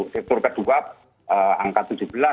direktur kedua angka tujuh belas